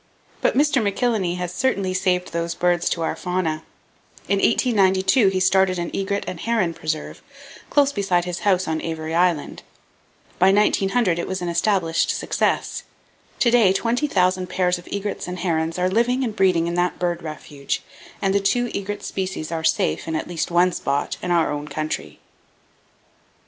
But Mr. McIlhenny has certainly saved those birds to our fauna. In 1892 he started an egret and heron preserve, close beside his house on Avery Island. By 1900 it was an established success. To day 20,000 pairs of egrets and herons are living and breeding in that bird refuge, and the two egret species are safe in at least one spot in our own country.